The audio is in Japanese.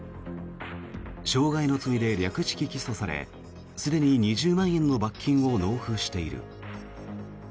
傷害の罪で略式起訴されすでに２０万円の罰金を納付している。